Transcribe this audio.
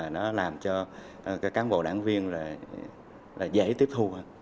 nó làm cho các cán bộ đảng viên là dễ tiếp thu hơn